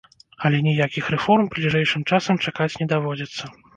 Але ніякіх рэформ бліжэйшым часам чакаць не даводзіцца.